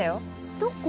どこ？